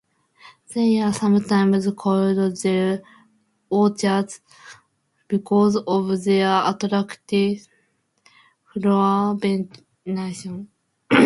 They are sometimes called "Jewel orchids" because of their attractive foliar venation.